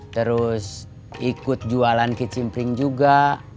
terus ikut jualan kicim pring juga